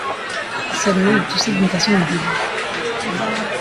Seulement elle toussait d’une façon lugubre.